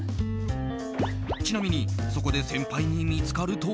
ちなみにそこで先輩に見つかると。